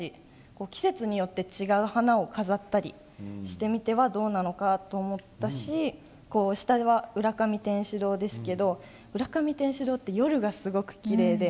季節によって違う花を飾ったりしてみてはどうなのかと思ったし浦上天主堂は夜がすごくきれいで。